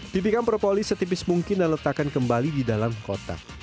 tipikan propolis setipis mungkin dan letakkan kembali di dalam kotak